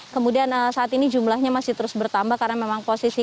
kemudian saat ini jumlahnya masih terus bertambah karena memang posisi